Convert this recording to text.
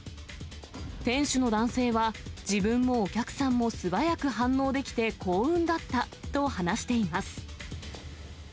店主の男性は、自分もお客さんも素早く反応できて幸運だったと話しています。